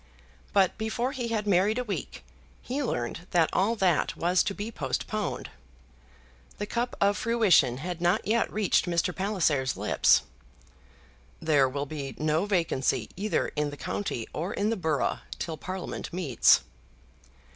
But before he had married a week he learned that all that was to be postponed. The cup of fruition had not yet reached Mr. Palliser's lips. "There will be no vacancy either in the county or in the borough till Parliament meets."